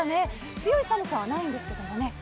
強い寒さはないんですけれどもね。